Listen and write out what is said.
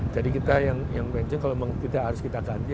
jadi kita yang pensiun kalau memang tidak harus kita ganti